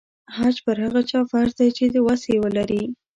حج پر هغه چا فرض دی چې وسه یې ولري.